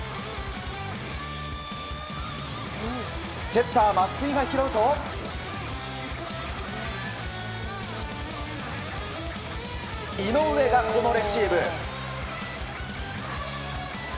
セッター松井が拾うと井上が、このレシーブ。